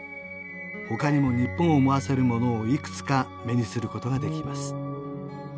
他にも日本を思わせるものをいくつか目にすることができます